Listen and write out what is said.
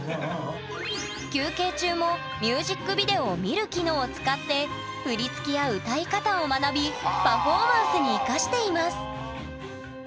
休憩中もミュージックビデオを見る機能を使って振り付けや歌い方を学びパフォーマンスに生かしています